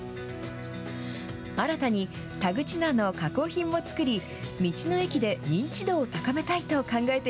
新たに田口菜の加工品も作り、道の駅で認知度を高めたいと考えて